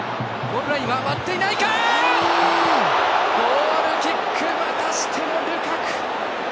ゴールキックまたしてもルカク。